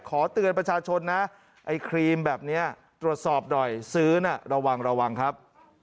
ขอเตือนประชาชนนะไอ้ครีมแบบนี้ตรวจสอบหน่อยซื้อน่ะระวังระวังครับ